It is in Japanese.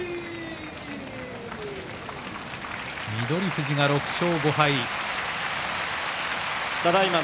富士が６勝５敗。